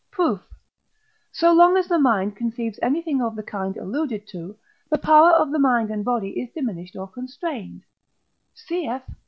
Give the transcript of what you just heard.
Proof. So long as the mind conceives anything of the kind alluded to, the power of the mind and body is diminished or constrained (cf.